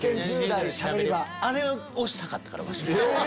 あれをしたかったからわしは。